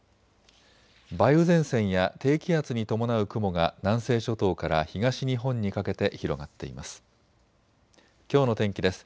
梅雨前線や低気圧に伴う雲が南西諸島から東日本にかけて広がっています。